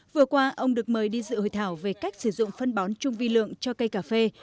vừa qua ông được mời đi dự hội thảo về cách sử dụng phân bón chung vi lượng cho cây cà phê